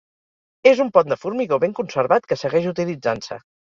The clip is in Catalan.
És un pont de formigó ben conservat que segueix utilitzant-se.